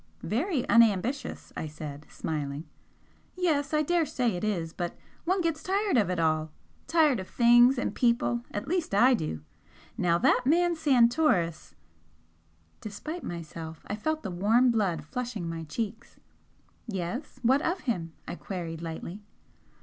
"Very unambitious!" I said, smiling. "Yes I daresay it is but one gets tired of it all. Tired of things and people at least I do. Now that man Santoris " Despite myself, I felt the warm blood flushing my cheeks. "Yes? What of him?" I queried, lightly.